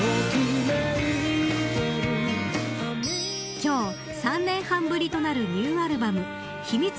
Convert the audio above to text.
今日３年半ぶりとなるニューアルバムひみつ